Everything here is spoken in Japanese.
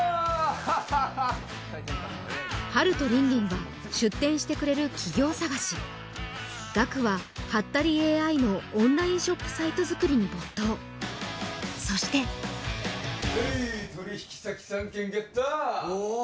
ハハハッハルと凜々は出店してくれる企業探しガクはハッタリＡＩのオンラインショップサイト作りに没頭そしてはい取引先３件ゲットおお！